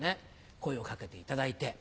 声を掛けていただいて。